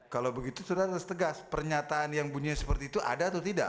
kalau begitu sudah tersetegas pernyataan yang bunyinya seperti itu ada atau tidak